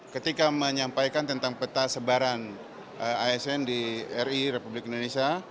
ketika menyampaikan tentang peta sebaran asn di ri republik indonesia